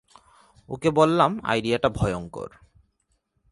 ওকে বললাম আইডিয়াটা ভয়ঙ্কর।